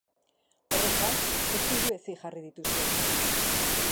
Horrez gain, beste hiru hesi jarri dituzte.